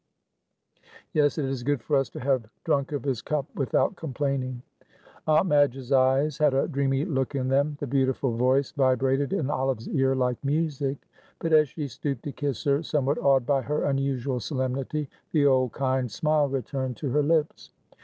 Yes, it is good for us to have drunk of His cup without complaining." Aunt Madge's eyes had a dreamy look in them; the beautiful voice vibrated in Olive's ear like music; but as she stooped to kiss her, somewhat awed by her unusual solemnity, the old kind smile returned to her lips.